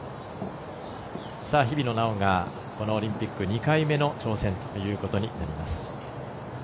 日比野菜緒がオリンピック２回目の挑戦ということになります。